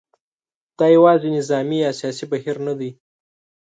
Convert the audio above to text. دا یوازې نظامي یا سیاسي بهیر نه دی.